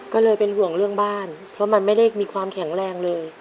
ก็เลยเป็นห่วงเรื่องบ้านเพราะมันไม่ได้มีความแข็งแรงเลย